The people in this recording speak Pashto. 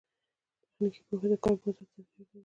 تخنیکي پوهه د کار بازار ته اړتیا ده